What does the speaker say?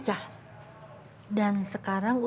masih di sini